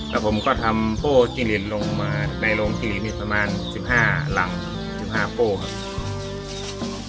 แล้วผมก็ทำโป้จิลินลงมาในโรงจีนมีประมาณ๑๕หลัง๑๕โป้ครับ